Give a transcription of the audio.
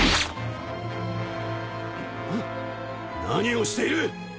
何をしている！